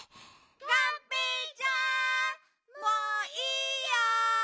・がんぺーちゃんもういいよ！